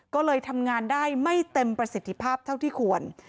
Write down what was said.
ก็เลยทำงานได้ไม่เต็มประสิทธิภาพเท่าที่ควร